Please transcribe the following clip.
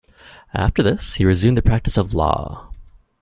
After this, he resumed the practice of law.